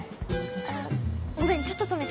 あっごめんちょっと止めて。